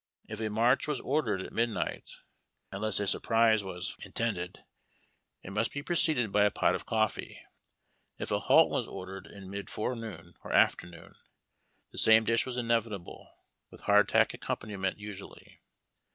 If a march was ordered at midnight, unless a surprise was in 180 HARD TACK AND COFFEE. tended, it must be preceded by a pot of coffee ; if a halt was ordered in mid forenoon or afternoon, tlie same dish was inevitable, with liardtack accompaniment usually.